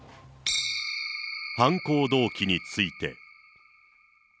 犯行動機について。